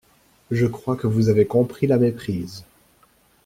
Je crois que vous avez compris la méprise.